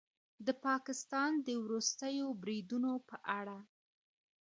د پاکستان د وروستیو بریدونو په اړه